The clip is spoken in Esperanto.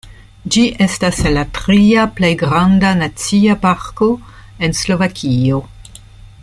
Ĝi estas la tria plej granda nacia parko en Slovakio.